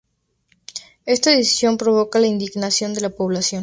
Esta decisión provoca la indignación de la población.